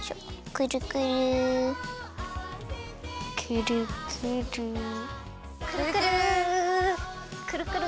くるくるくるくるくるくるくるくる。